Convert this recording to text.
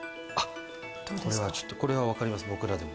これは分かります、僕らでも。